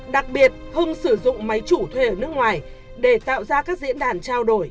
đặc biệt hưng sử dụng máy chủ thuê ở nước ngoài để tạo ra các diễn đàn trao đổi